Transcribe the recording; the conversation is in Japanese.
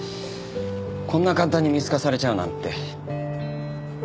こんな簡単に見透かされちゃうなんて。